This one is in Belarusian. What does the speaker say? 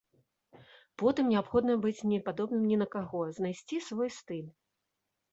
Потым неабходна быць не падобным ні на каго, знайсці свой стыль.